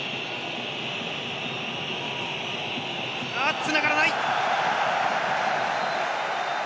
つながらない。